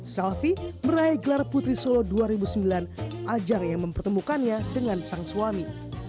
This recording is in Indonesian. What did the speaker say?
selvi meraih gelar putri solo dua ribu sembilan ajang yang mempertemukannya dengan sang suami